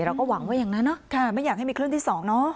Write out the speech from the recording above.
เราก็หวังว่าอย่างนั้นไม่อยากให้มีเคลื่อนที่๒เนอะ